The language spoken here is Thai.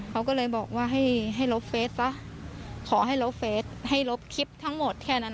เขาก็เลยบอกว่าให้ให้ลบเฟสซะขอให้ลบเฟสให้ลบคลิปทั้งหมดแค่นั้น